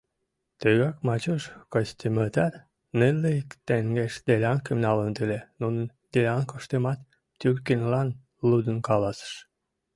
Тыгак Мачуш Кыстимытат нылле ик теҥгеш делянкым налыныт ыле, нунын делянкыштымат Тюлькинлан лудын каласыш.